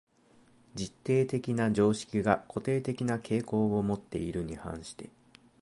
実定的な常識が固定的な傾向をもっているに反して、